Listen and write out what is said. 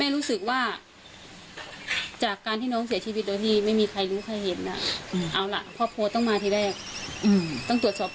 เราให้คำร่วมมือกับกระหมดอยู่ตลอด